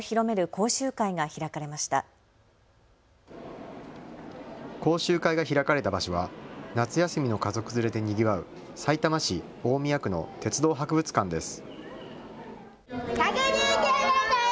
講習会が開かれた場所は夏休みの家族連れでにぎわうさいたま市大宮区の鉄道博物館です。